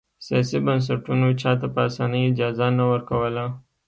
سیاسي بنسټونو چا ته په اسانۍ اجازه نه ورکوله.